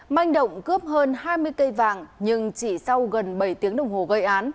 manh động cướp hơn hai mươi cây vàng nhưng chỉ sau gần bảy tiếng đồng hồ gây án